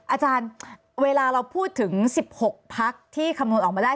อาจารย์เวลาเราพูดถึง๑๖พักที่คำนวณออกมาได้